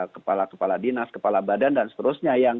kepala kepala dinas kepala badan dan seterusnya